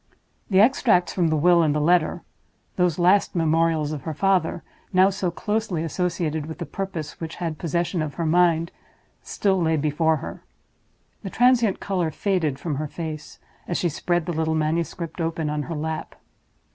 The extracts from the will and the letter—those last memorials of her father, now so closely associated with the purpose which had possession of her mind—still lay before her. The transient color faded from her face, as she spread the little manuscript open on her lap.